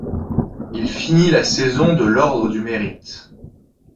Il finit la saison de l'Ordre du Mérite.